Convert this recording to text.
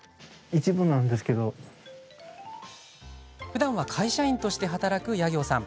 ふだんは会社員として働く夜行さん。